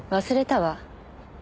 忘れたわ。